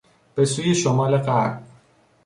به سوی شمال غرب